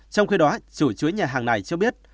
trong khi đó chủ chứa nhà hàng này cho biết